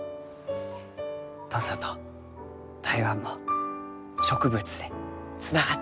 土佐と台湾も植物でつながっちゅうのう。